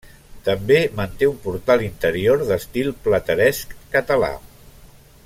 També manté un portal interior d'estil plateresc català.